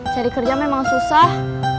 cari kerja memang susah